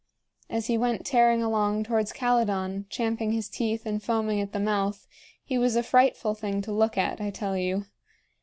As he went tearing along towards Calydon, champing his teeth and foaming at the mouth, he was a frightful thing to look at, I tell you.